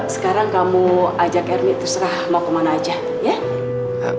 sekarang kamu ajak ermi terserah mau kemana aja ya